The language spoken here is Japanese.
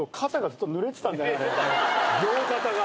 両肩が。